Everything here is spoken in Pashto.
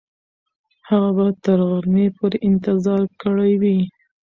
هغه به تر غرمې پورې انتظار کړی وي.